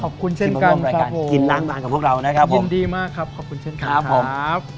ขอบคุณเช่นกันครับผมยินดีมากครับขอบคุณเช่นกันครับครับท่านผู้ชมครับ